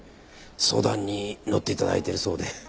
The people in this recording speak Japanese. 相談に乗っていただいてるそうで。